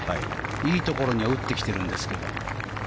いいところには打ってきてるんですけど。